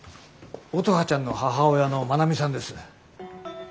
乙葉ちゃんの母親の真奈美さんです。